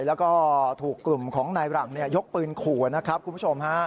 แล้วก็ถูกกลุ่มของนายหลังยกปืนขู่นะครับคุณผู้ชมฮะ